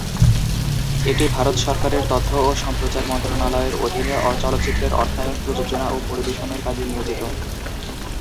এটি ভারত সরকারের তথ্য ও সম্প্রচার মন্ত্রণালয়ের অধীনে চলচ্চিত্রের অর্থায়ন, প্রযোজনা ও পরিবেশনের কাজে নিয়োজিত।